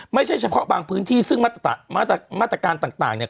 ไม่ใช่เฉพาะบางพื้นที่ซึ่งมาตรการต่างเนี่ย